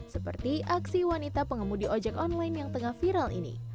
seperti aksi wanita pengemudi ojek online yang tengah viral ini